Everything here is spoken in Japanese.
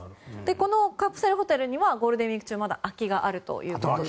このカプセルホテルにはゴールデンウィーク中まだ空きがあるということです。